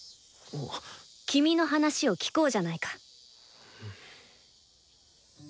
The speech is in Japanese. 君の話を聞こうじゃないか！